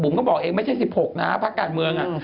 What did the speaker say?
บุ๋มก็บอกเองไม่ใช่๑๖ภการมือง